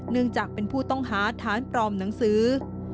เนื่องจากเป็นผู้ต้องหาฐานปลอมหนังสือ